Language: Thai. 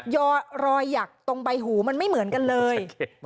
รอยหยักตรงใบหูมันไม่เหมือนกันเลย